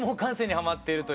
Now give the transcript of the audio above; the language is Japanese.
はい。